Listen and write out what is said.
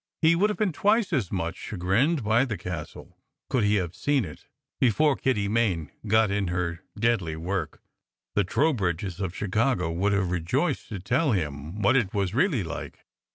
He would have been twice as much chagrined by the castle could he have seen it before Kitty Main got in her deadly work. The Trow bridges of Chicago would have rejoiced to tell him what it was really like.